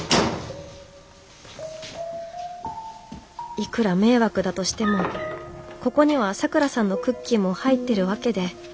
いくら迷惑だとしてもここにはさくらさんのクッキーも入ってるわけで。